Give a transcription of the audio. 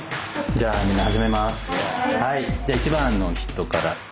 じゃあ１番の人からいきます。